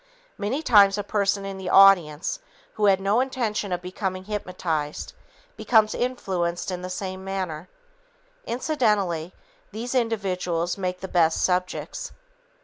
Many times a person in the audience who had no intention of becoming hypnotized becomes influenced in the same manner. Incidentally, these individuals make the best subjects.